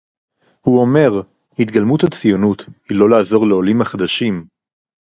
הוא אומר: התגלמות הציונות היא לא לעזור לעולים החדשים